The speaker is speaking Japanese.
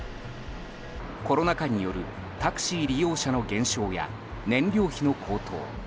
コロナ禍によるタクシー利用者の減少や燃料費の高騰